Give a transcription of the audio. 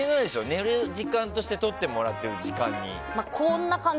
寝る時間としてとってもらっている時間に。